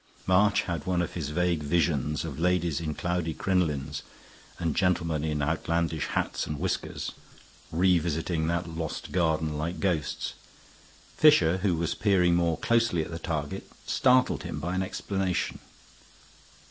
March had one of his vague visions of ladies in cloudy crinolines and gentlemen in outlandish hats and whiskers revisiting that lost garden like ghosts. Fisher, who was peering more closely at the target, startled him by an exclamation.